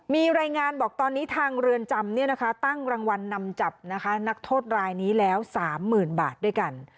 มีรายงานบอกตอนนี้ทางเรือนจำตั้งรางวัลนำจับนะคะนักโทษรายนี้แล้ว๓๐๐๐บาทด้วยกัน